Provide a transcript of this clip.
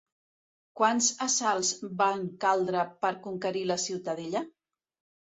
Quants assalts van caldre per conquerir la ciutadella?